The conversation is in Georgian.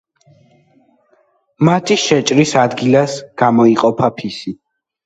მათი შეჭრის ადგილას გამოიყოფა ფისი.